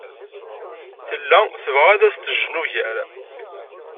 Tella tebɣa ad as-d-jjen ugar.